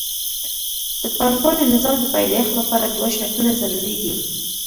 د پانګوالي نظام د پیدایښت لپاره دوه شرطونه ضروري دي